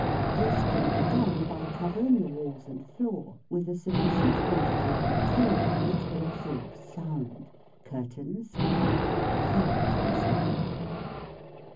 This can be done by covering the walls and floor with a sufficient quantity of material which will absorb sound curtains, carpet, felt, and so on.